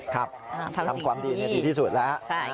ครับทำความดีดีที่สุดแล้ว